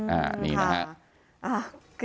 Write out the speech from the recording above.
อ่านี่นะฮะ